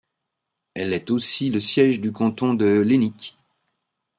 Elle est aussi le siège du canton de Lennik.